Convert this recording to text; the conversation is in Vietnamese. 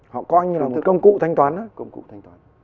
họ coi như là một công cụ thanh toán đó